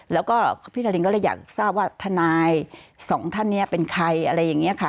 แล้วก็พี่ทารินก็เลยอยากทราบว่าทนายสองท่านนี้เป็นใครอะไรอย่างนี้ค่ะ